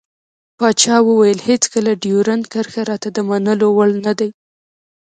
پاچا وويل هېڅکله ډيورند کرښه راته د منلو وړ نه دى.